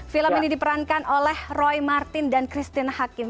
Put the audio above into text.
film ini diperankan oleh roy martin dan christine hakim